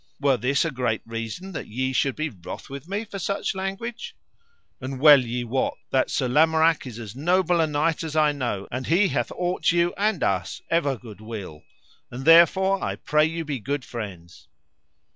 Were this a great reason that ye should be wroth with me for such language? And well ye wot, that Sir Lamorak is as noble a knight as I know, and he hath ought you and us ever good will, and therefore I pray you be good friends.